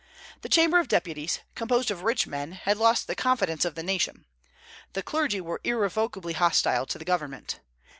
The Chamber of Deputies, composed of rich men, had lost the confidence of the nation. The clergy were irrevocably hostile to the government.